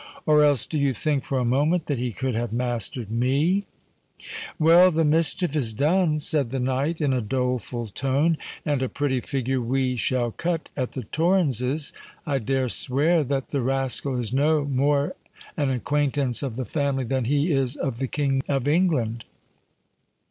Or else do you think for a moment that he could have mastered me?" "Well, the mischief is done," said the knight in a doleful tone; "and a pretty figure we shall cut at the Torrens's. I dare swear that the rascal is no more an acquaintance of the family than he is of the King of England."